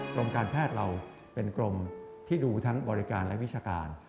กรมการแพทย์เราเป็นกรมที่ดูทั้งบริการและวิชาการ